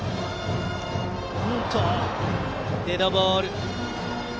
デッドボール。